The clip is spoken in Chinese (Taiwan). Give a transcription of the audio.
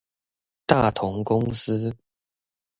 大同公司